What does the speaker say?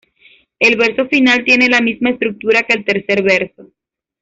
El verso final tiene la misma estructura que el tercer verso.